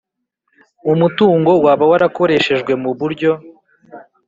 umutungo waba warakoreshejwe mu buryo